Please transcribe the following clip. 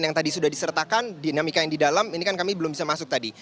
yang tadi sudah disertakan dinamika yang di dalam ini kan kami belum bisa masuk tadi